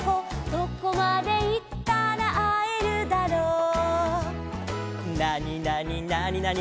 「どこまでいったらあえるだろう」「なになになになに」